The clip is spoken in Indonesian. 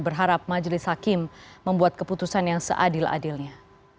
berharap majelis hakim membuat keputusan yang seadil adilnya